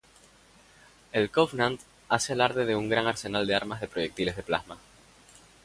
El Covenant hace alarde de un gran arsenal de armas de proyectiles de plasma.